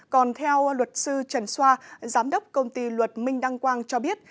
còn theo luật sư trần xoa giám đốc công ty luật minh đăng quang cho biết